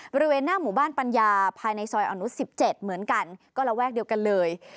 บริเวณหน้าหมู่บ้านปัญญาภายในซอยอนุส๑๗เหมือนกันก็ระแวกเดียวกันเลย